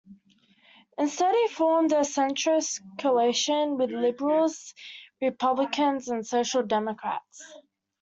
Instead, he formed a "centrist" coalition with Liberals, Republicans and Social Democrats.